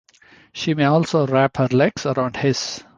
She may also wrap her legs around his.